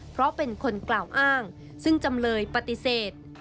เพราะเป็นคนกล่าวอ้างซึ่งจำเลยปฏิเสธ